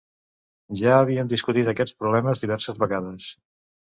Ja havíem discutit aquests problemes diverses vegades